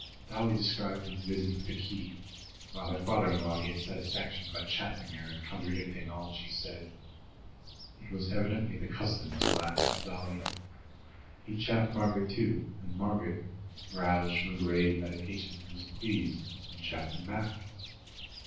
Dolly described his visit with the key, while her father in law gave satisfaction by chaffing her and contradicting all she said. It was evidently the custom to laugh at Dolly. He chaffed Margaret, too, and Margaret, roused from a grave meditation, was pleased, and chaffed him back.